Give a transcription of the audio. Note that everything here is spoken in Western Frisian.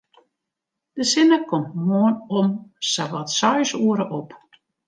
De sinne komt moarn om sawat seis oere op.